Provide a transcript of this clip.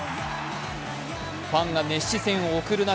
ファンが熱視線を送る中